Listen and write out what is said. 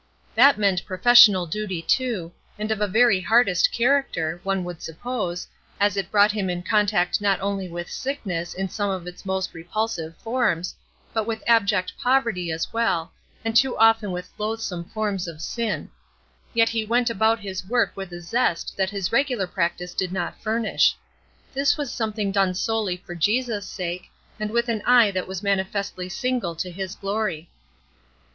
That meant professional duty, too, and of the very hardest character, one would suppose, as it brought him in contact not only with sickness in some of its most repulsive forms, but with abject poverty as well, and too often with loathsome forms of sin; yet he went about this work with a zest that his regular practice did not furnish. This was something done solely for Jesus' sake, and with an eye that was manifestly single to His glory.